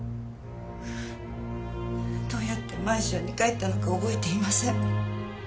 どうやってマンションに帰ったのか覚えていません。